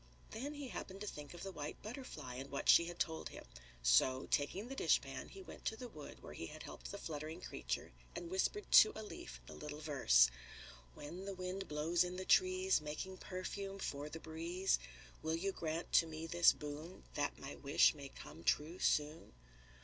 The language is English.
Then he happened to think of the white butterfly and what she had told him. So, taking the dishpan, he went to the wood where he had helped the fluttering creature and whispered to a leaf the little verse: "When the wind blows in the trees, Making perfume for the breeze, Will you grant to me this boon, That my wish may come true soon?"